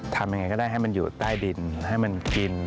ทำยังไงก็ได้ให้มันอยู่ใต้ดินให้มันกิน